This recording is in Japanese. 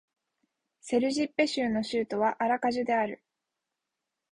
セルジッペ州の州都はアラカジュである